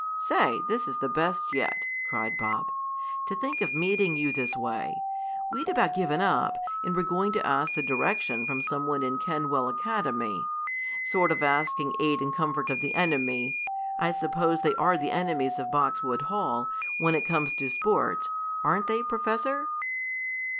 "Say! this is the best yet!" cried Bob. "To think of meeting you this way! We'd about given up, and were going to ask the direction from some one in Kenwell Academy. Sort of asking aid and comfort of the enemy. I suppose they are the enemies of Boxwood Hall, when it comes to sports; aren't they, Professor?"